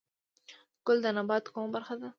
ګل د نبات کومه برخه ده؟